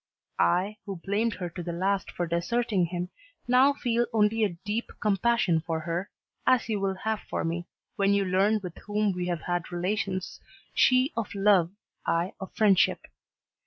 I, who blamed her to the last for deserting him, now feel only a deep compassion for her, as you will have for me, when you learn with whom we have had relations, she of love, I of friendship.